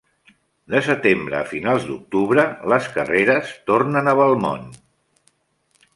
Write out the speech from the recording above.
De setembre a finals d'octubre les carreres tornen a Belmont.